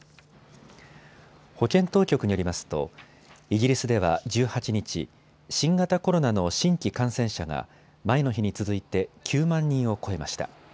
保健当局によりますとイギリスでは１８日、新型コロナの新規感染者が前の日に続いて９万人を超えました。